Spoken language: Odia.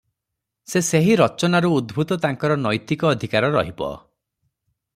ସେ ସେହି ରଚନାରୁ ଉଦ୍ଭୁତ ତାଙ୍କର ନୈତିକ ଅଧିକାର ରହିବ ।